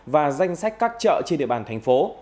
và danh sách các chợ trên địa bàn thành phố